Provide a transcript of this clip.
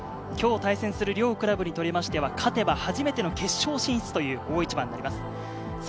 今日対戦する両クラブにとりましては勝てば初めての決勝進出という大一番になります。